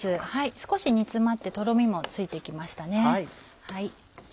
少し煮詰まってとろみもついて来ましたね。